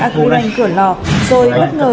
agribank cửa lò rồi bất ngờ